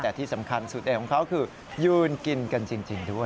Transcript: แต่ที่สำคัญสุดเอกของเขาคือยืนกินกันจริงด้วย